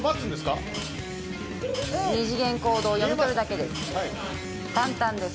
二次元コードを読み取るだけです。